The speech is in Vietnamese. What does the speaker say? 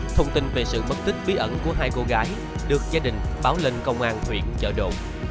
thông tin về sự mất tích bí ẩn của hai cô gái được gia đình báo lên công an huyện chợ đồn